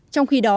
trong khi đó